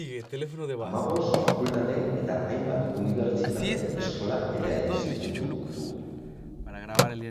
Hamabost fakultate eta hainbat unibertsitate eskola eta institutu ditu.